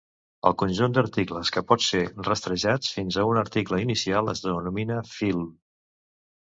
El conjunt d'articles que pot ser rastrejats fins a un article inicial es denomina fil.